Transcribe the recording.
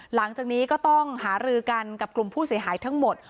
หลังจากนี้ก็ต้องหารือกันกับกลุ่มผู้เสียหายทั้งหมด